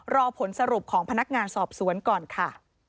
รอผลสรุปของพนักงานสอบสวนก่อนค่ะ